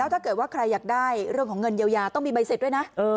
ถ้าเกิดว่าใครอยากได้เรื่องของเงินเยียวยาต้องมีใบเสร็จด้วยนะ